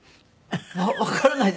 わからないです。